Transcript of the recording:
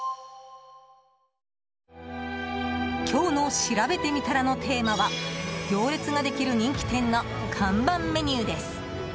今日のしらべてみたらのテーマは行列ができる人気店の看板メニューです。